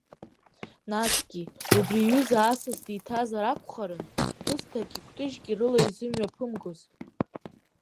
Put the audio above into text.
Насгьы, убри иҩыза асас диҭазар акәхарын, бысҭаки кәтыжьки рыла изымҩаԥымгоз.